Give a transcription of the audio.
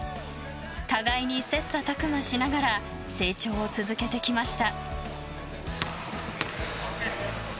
互いに切磋琢磨しながら成長を続けてきました。